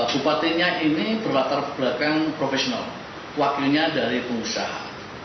bupatinya ini berlatar belakang profesional wakilnya dari pengusaha